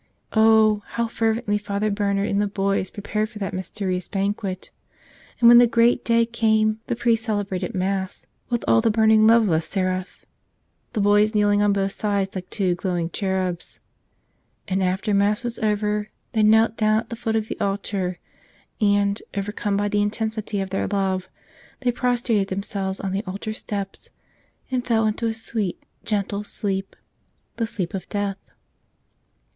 Oh, how fervently Father Bernard and the boys prepared for that mysterious banquet! And when the great day came the priest celebrated Mass with all the burning love of a seraph, the boys kneeling on both sides like two glowing cherubs. And after Mass was over they knelt down at the foot of the altar and, overcome by the intensity of their love, they pros¬ trated themselves on the altar steps and fell into a sweet, gentle sleep — the sleep of death.